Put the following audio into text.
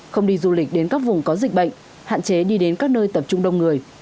không đi du lịch đến các vùng có dịch bệnh hạn chế đi đến các nơi tập trung đông người